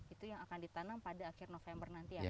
itu yang akan ditanam pada akhir november nanti ya